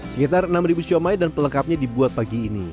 sekitar enam ribu somai dan pelengkapnya dibuat pagi ini